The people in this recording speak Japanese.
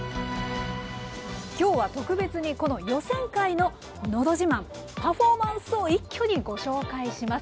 今日は特別に、この予選会の「のど自慢」パフォーマンスを一挙にご紹介します。